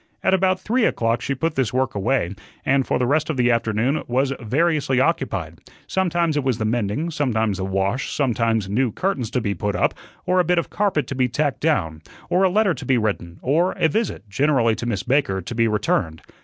At about three o'clock she put this work away, and for the rest of the afternoon was variously occupied sometimes it was the mending, sometimes the wash, sometimes new curtains to be put up, or a bit of carpet to be tacked down, or a letter to be written, or a visit generally to Miss Baker to be returned.